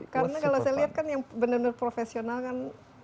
karena kalau saya lihat kan yang benar benar profesional kan